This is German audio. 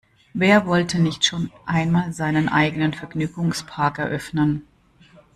Wer wollte nicht schon einmal seinen eigenen Vergnügungspark eröffnen?